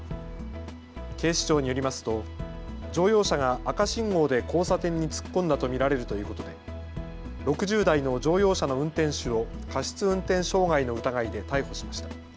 警視庁によりますと乗用車が赤信号で交差点に突っ込んだと見られるということで６０代の乗用車の運転手を過失運転傷害の疑いで逮捕しました。